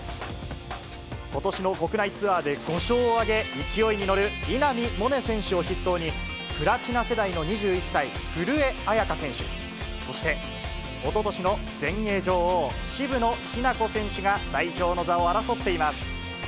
ことしの国内ツアーで５勝を挙げ、勢いに乗る稲見萌寧選手を筆頭に、プラチナ世代の２１歳、古江彩佳選手、そしておととしの全英女王、渋野日向子選手が代表の座を争っています。